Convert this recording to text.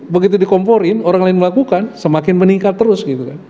begitu dikomporin orang lain melakukan semakin meningkat terus gitu kan